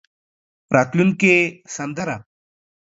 راتلونکې سندره.